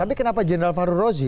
tapi kenapa jendral farurozzi